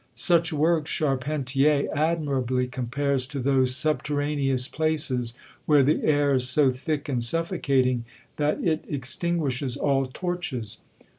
Such works Charpentier admirably compares to those subterraneous places, where the air is so thick and suffocating, that it extinguishes all torches.